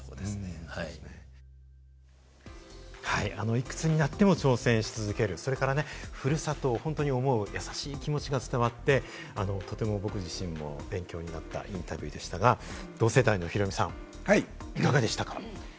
いくつになっても挑戦し続ける、それからね、ふるさとを本当に思う優しい気持ちが伝わって、とても僕自身が勉強になったインタビューでしたが、同世代のヒロミさん、いかがでしたか？